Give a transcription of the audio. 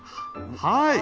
はい！